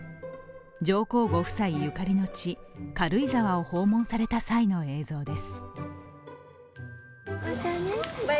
上皇ご夫妻ゆかりの地、軽井沢を訪問された際の映像です。